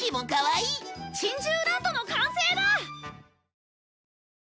珍獣ランドの完成だ！